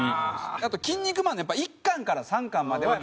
あと『キン肉マン』のやっぱ１巻から３巻までは。